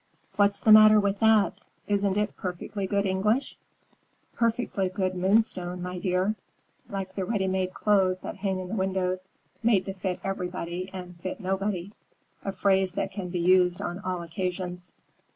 "What's the matter with that? Isn't it perfectly good English?" "Perfectly good Moonstone, my dear. Like the readymade clothes that hang in the windows, made to fit everybody and fit nobody, a phrase that can be used on all occasions.